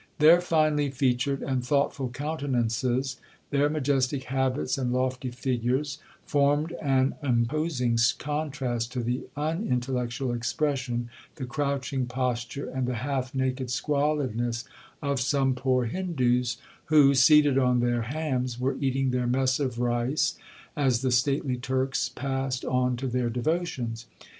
Their finely featured and thoughtful countenances, their majestic habits, and lofty figures, formed an imposing contrast to the unintellectual expression, the crouching posture, and the half naked squalidness of some poor Hindoos, who, seated on their hams, were eating their mess of rice, as the stately Turks passed on to their devotions.